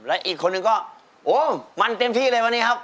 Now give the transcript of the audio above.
และอีกคนนึงก็โอ้มันเต็มที่เลยวันนี้ครับ